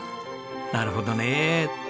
なるほどねえ。